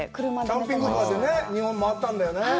キャンピングカーで日本回ったんだよね。